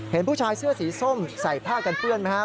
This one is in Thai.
เห็นผู้ชายเสื้อสีส้มใส่ผ้ากันเปื้อนไหมครับ